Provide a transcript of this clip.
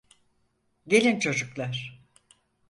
Gelin çocuklar.